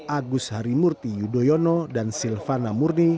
agus harimurti yudhoyono dan silvana murni